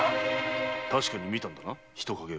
確かに見たんだな人影を？